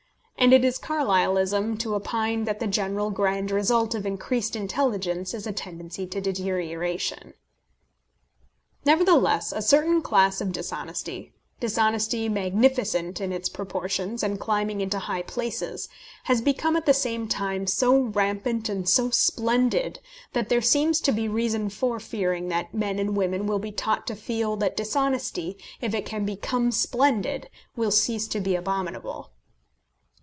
And it is Carlylism to opine that the general grand result of increased intelligence is a tendency to deterioration. Nevertheless a certain class of dishonesty, dishonesty magnificent in its proportions, and climbing into high places, has become at the same time so rampant and so splendid that there seems to be reason for fearing that men and women will be taught to feel that dishonesty, if it can become splendid, will cease to be abominable.